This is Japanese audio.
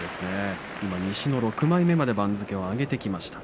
今、西の６枚目まで番付を上げてきました。